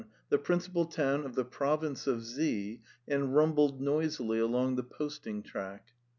the principal town of the province of Z., and rumbled noisily along the posting track.